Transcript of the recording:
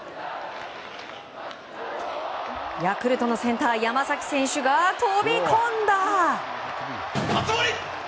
ヤクルトのセンター山崎選手が飛び込んだ！